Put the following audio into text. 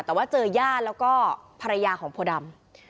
แต่ว่าเจอญาติแล้วก็ภรรยาของโพดำ